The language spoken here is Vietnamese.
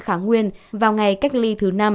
kháng nguyên vào ngày cách lấy thứ năm